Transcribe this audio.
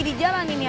buat lu sha